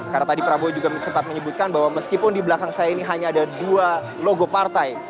karena tadi prabowo juga sempat menyebutkan bahwa meskipun di belakang saya ini hanya ada dua logo partai